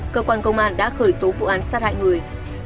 cơ quan công an đã khởi tố vụ án sát hại người